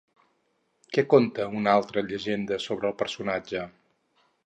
Què conta una altra llegenda sobre el personatge?